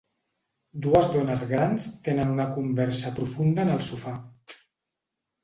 Dues dones grans tenen una conversa profunda en el sofà.